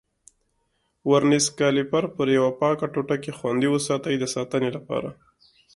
ورنیز کالیپر پر یوه پاکه ټوټه کې خوندي وساتئ د ساتنې لپاره.